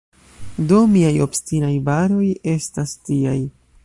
Do miaj “obstinaj baroj” estas tiaj.